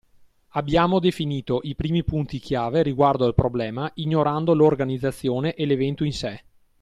Abbiamo definito i primi punti chiave riguardo il problema ignorando l’organizzazione e l'evento in sé.